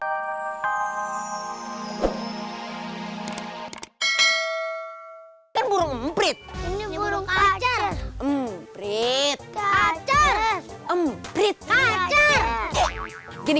hai oh oh oh oh hai kan burung mp tiga ini burung kacar mp tiga kacar mp tiga kacar gini